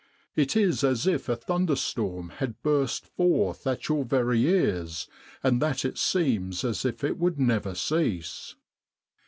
It is as if a thunderstorm had burst forth at your very ears and that seems as if it would never cease.